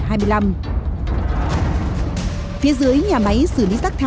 phía dưới nhà máy xử lý rác thải là nhà máy xử lý rác thải